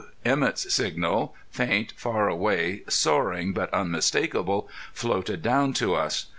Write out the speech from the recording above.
Emett's signal, faint, far away, soaring but unmistakable, floated down to us.